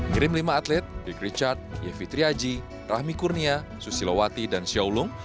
kirim lima atlet dirk richard yevi triaji rahmi kurnia susilo wati dan xiao long